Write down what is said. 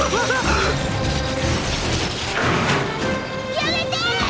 やめてッ！！